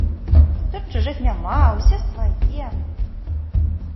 Тут чужых няма, усе свае!